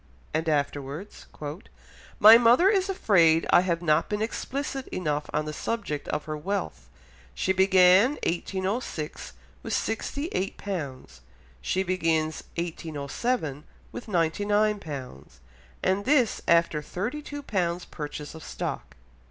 And afterwards, "My mother is afraid I have not been explicit enough on the subject of her wealth; she began 1806 with sixty eight pounds; she begins 1807 with ninety nine pounds, and this after thirty two pounds purchase of stock."